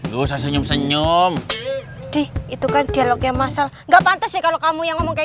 lu senyum senyum di itu kan dialognya masal nggak pantas kalau kamu yang mau